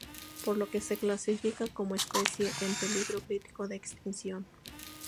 Por lo que se clasifica como especie en peligro crítico de extinción.